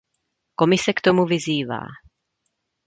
Komise k tomu vyzývá.